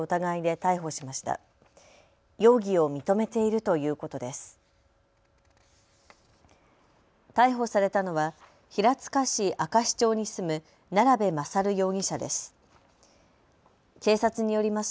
逮捕されたのは平塚市明石町に住む、奈良部勝容疑者です。